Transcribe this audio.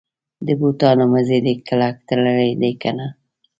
د بوټانو مزي دي کلک تړلي دي کنه.